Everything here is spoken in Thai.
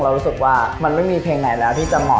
รู้สึกว่ามันไม่มีเพลงไหนแล้วที่จะเหมาะ